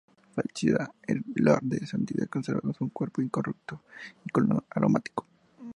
Fallecida en loor de santidad, conservaba su cuerpo incorrupto y con olor aromático.